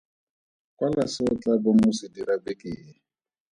Kwala se o tlaa bong o se dira beke e.